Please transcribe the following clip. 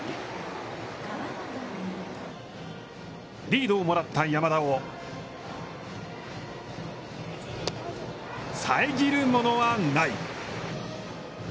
リードをもらった山田を遮るものはない。